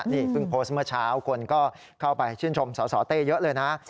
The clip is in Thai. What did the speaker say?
นี่เพิ่งโพสต์เมื่อเช้าคนก็เข้าไปชื่นชมสสเต้เยอะเลยนะ